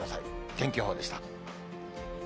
天気予報でした。